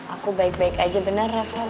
aku baik baik aja bener reva